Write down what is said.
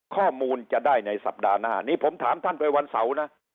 ข้อมูลจะได้ในสัปดาห์หน้านี้ผมถามท่านไปวันเสาร์นะ